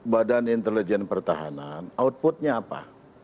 badan intelijen pertahanan outputnya apa